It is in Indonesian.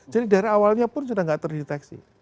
jadi dari awalnya pun sudah tidak terdeteksi